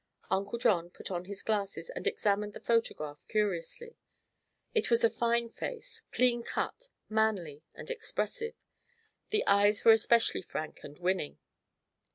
Uncle John put on his glasses and examined the photograph curiously. It was a fine face, clean cut, manly and expressive. The eyes were especially frank and winning.